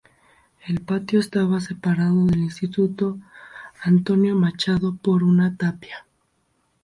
El patio estaba separado del Instituto Antonio Machado por una tapia.